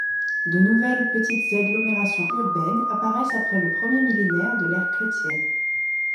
De nouvelles petites agglomérations urbaines apparaissent après le premier millénaire de l'ère chrétienne.